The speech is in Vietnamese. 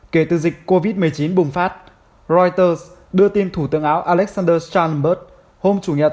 kể từ dịch covid một mươi chín bùng phát reuters đưa tin thủ tướng áo alexander stralberg hôm chủ nhật